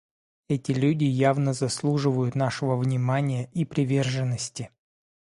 Эти люди явно заслуживают нашего внимания и приверженности.